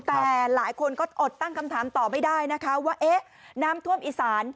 แต่หลายคนก็อดตั้งคำถามต่อไม่ได้นะคะว่าเอ๊ะน้ำท่วมอีสาน